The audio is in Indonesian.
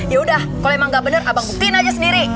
ya udah kalau emang nggak bener abang buktiin aja sendiri